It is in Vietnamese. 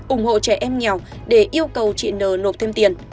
ủng hộ trẻ em nghèo để yêu cầu chị n nộp thêm tiền